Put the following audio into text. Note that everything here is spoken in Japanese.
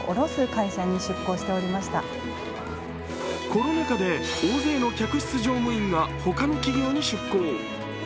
コロナ禍で大勢の客室乗務員が他の企業に出向。